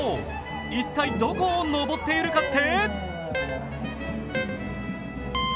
一体、どこを登っているかって？